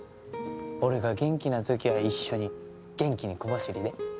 俺が元気な時は一緒に元気に小走りで。